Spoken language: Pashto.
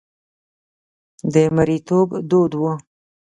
د مریتوب دود و.